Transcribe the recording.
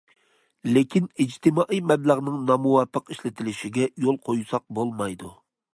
لېكىن، ئىجتىمائىي مەبلەغنىڭ نامۇۋاپىق ئىشلىتىلىشىگە يول قويساق بولمايدۇ.